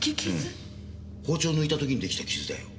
包丁を抜いた時に出来た傷だよ。